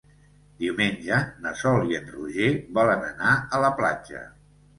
Diumenge na Sol i en Roger volen anar a la platja.